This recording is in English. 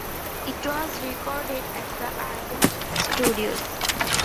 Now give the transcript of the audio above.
It was recorded at the Ardent Studios.